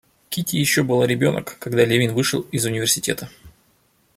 Кити еще была ребенок, когда Левин вышел из университета.